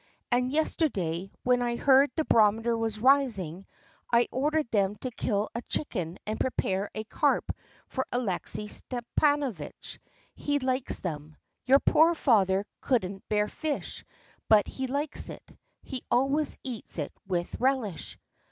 And yesterday, when I heard the barometer was rising, I ordered them to kill a chicken and prepare a carp for Alexey Stepanovitch. He likes them. Your poor father couldn't bear fish, but he likes it. He always eats it with relish."